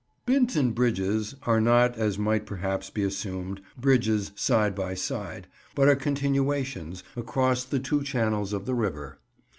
"Binton bridges" are not, as might perhaps be assumed, bridges side by side, but are continuations, across the two channels of the river.